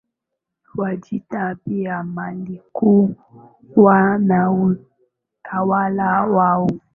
Wajita pia walikuwa na utawala wao